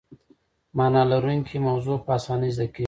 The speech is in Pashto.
معنی لرونکې موضوع په اسانۍ زده کیږي.